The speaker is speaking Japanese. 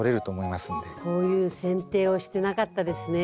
こういう剪定をしてなかったですね